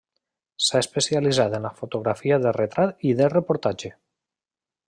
S'ha especialitzat en la fotografia de retrat i de reportatge.